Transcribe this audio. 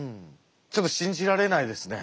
ちょっと信じられないですね。